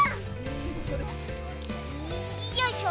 よいしょ！